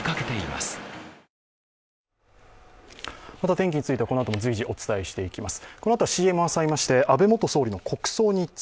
また、天気については、このあとも随時お伝えしていきます。